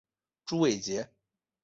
朱伟捷。